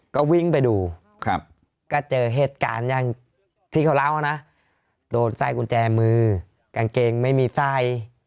ก็วิ่งไปดูก็เจอเหตุการณ์อย่างที่เขาเล่านะโดนไส้กุญแจมือกางเกงไม่มีไส้